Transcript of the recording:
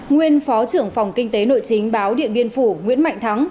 nguyên phó trưởng phòng kinh tế nội chính báo điện biên phủ nguyễn mạnh thắng